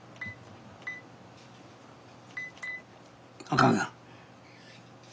あかんな。